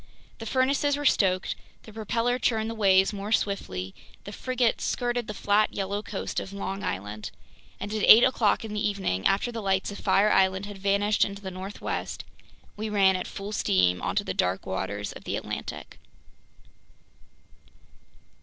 The furnaces were stoked; the propeller churned the waves more swiftly; the frigate skirted the flat, yellow coast of Long Island; and at eight o'clock in the evening, after the lights of Fire Island had vanished into the northwest, we ran at full steam onto the dark waters of the Atlantic.